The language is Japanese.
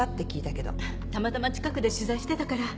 たまたま近くで取材してたから。